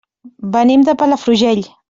Venim de Palafrugell.